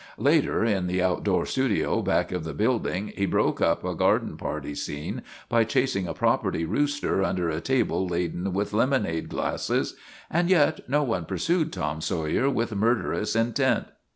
Later, in the outdoor studio back of the building, he broke up a garden party scene by chasing a property rooster under a table laden with lemonade glasses. And yet no one pursued Tom Sawyer with murderous intent.